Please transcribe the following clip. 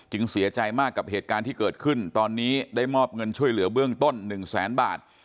เสียใจมากกับเหตุการณ์ที่เกิดขึ้นตอนนี้ได้มอบเงินช่วยเหลือเบื้องต้น๑แสนบาท